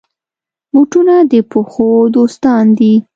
بوټونه د پښو دوستان دي.